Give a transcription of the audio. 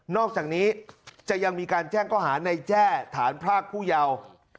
อกจากนี้จะยังมีการแจ้งข้อหาในแจ้ฐานพรากผู้เยาว์